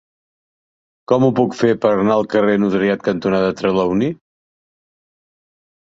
Com ho puc fer per anar al carrer Notariat cantonada Trelawny?